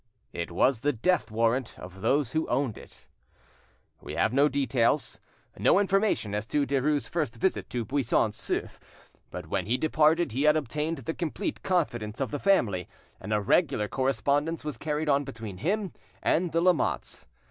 It was the death warrant of those who owned it. We have no details, no information as to Derues' first visit to Buisson Souef, but when he departed he had obtained the complete confidence of the family, and a regular correspondence was carried on between him and the Lamottes.